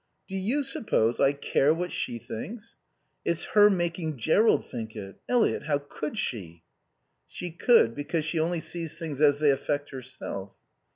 "Do you suppose I care what she thinks? It's her making Jerrold think it...Eliot, how could she?" "She could, because she only sees things as they affect herself."